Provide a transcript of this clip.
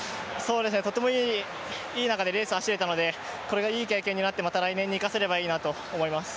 とてもいい中でレースを走れたのでこれがいい経験になって、また来年に生かせればいいなと思います。